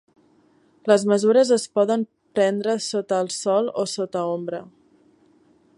Les mesures es poden prendre sota el Sol o sota ombra.